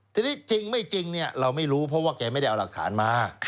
ทีนี้จริงไม่จริงเนี่ยเราไม่รู้เพราะว่าแกไม่ได้เอาหลักฐานมา